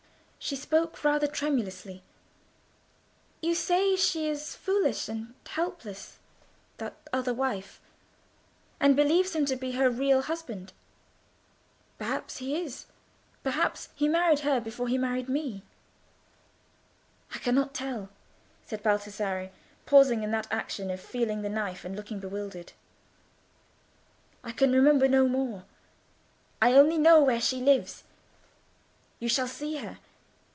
She spoke rather tremulously— "You say she is foolish and helpless—that other wife—and believes him to be her real husband. Perhaps he is: perhaps he married her before he married me." "I cannot tell," said Baldassarre, pausing in that action of feeling the knife, and looking bewildered. "I can remember no more. I only know where she lives. You shall see her.